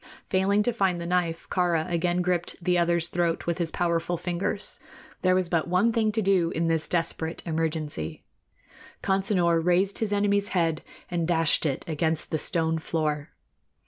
Failing to find the knife, Kāra again gripped the other's throat with his powerful fingers. There was but one thing to do in this desperate emergency. Consinor raised his enemy's head and dashed it against the stone floor.